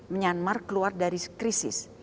menyanmar keluar dari krisis